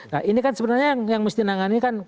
nah ini kan sebenarnya yang mesti ditangani kan